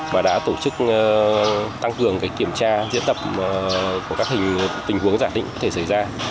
và đã tổ chức tăng cường kiểm tra diễn tập của các tình huống giả định có thể xảy ra